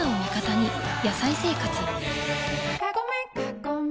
「野菜生活」